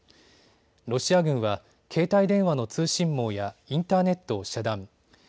ロシア軍は携帯電話の通信網やインターネットを遮断。